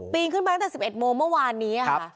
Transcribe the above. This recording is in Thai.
นขึ้นไปตั้งแต่๑๑โมงเมื่อวานนี้ค่ะ